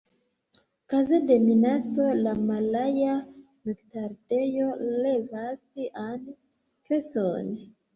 Kaze de minaco, la Malaja noktardeo levas sian kreston.